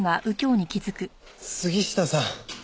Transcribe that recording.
杉下さん！